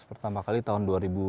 pertama kali tahun dua ribu lima belas